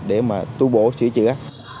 để mà tu bổ sửa chữa